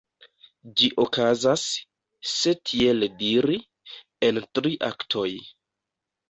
Ĝi okazas, se tiel diri, en tri aktoj.